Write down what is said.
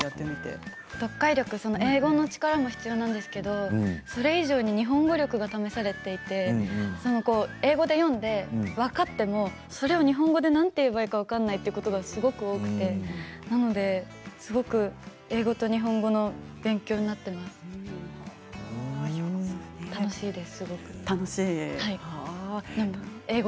読解力、英語の力も必要なんですが、それ以上に日本語力が試されていて英語で読んで、分かってもそれを日本語でなんて言えばいいのか分からないというのがすごく多くてすごく英語と日本語の勉強になっています。